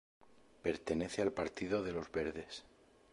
Pertenece al partido de Los Verdes.